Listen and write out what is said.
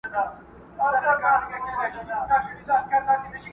څه په کار دي حکمتونه او عقلونه!!